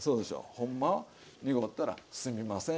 ほんまは濁ったら「すいません」